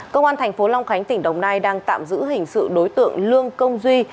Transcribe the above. công an tp long khánh tỉnh đồng nai đang tạm giữ hình sự đối tượng lương công duy